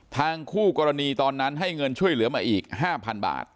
คู่กรณีตอนนั้นให้เงินช่วยเหลือมาอีก๕๐๐บาท